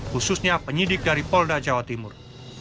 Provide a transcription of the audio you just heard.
khususnya penyidik dari polda jawa timur